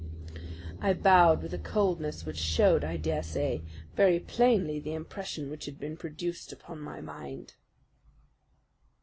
I bowed with a coldness which showed, I dare say, very plainly the impression which had been produced upon my mind.